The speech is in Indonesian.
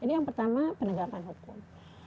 jadi yang pertama penegakan hukum